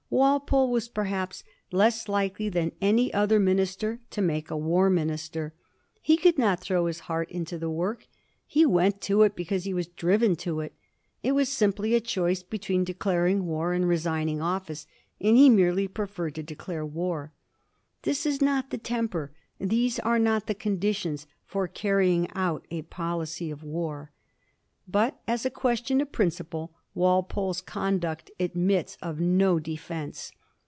Walpole was perhaps less likely than any other statesman to make a war minister. He could not throw his heart into the work. He went to it because he was driven to it. It was simply a choice between de claring war and resigning office, and he merely preferred to declare war. This is not the temper, these are not the conditions, for carrying out a policy of war. But, as a question of principle, Walpole's conduct "admits of no de fence.